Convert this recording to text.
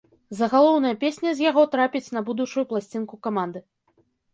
Загалоўная песня з яго трапіць на будучую пласцінку каманды.